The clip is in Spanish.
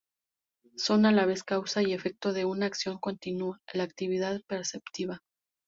Son, a la vez, causa y efecto de una acción continua: la actividad perceptiva.